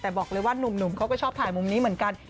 แต่บอกเลยว่านุ่มเขาก็ชอบถ่ายมุมนี้เหมือนกัน